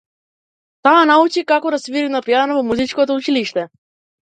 Таа научи како да свири на пијано во музичко училиште.